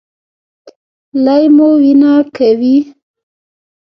لۍ مو وینه کوي؟